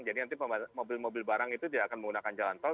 jadi nanti mobil mobil barang itu tidak akan menggunakan jalan tol